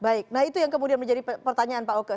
baik nah itu yang kemudian menjadi pertanyaan pak oke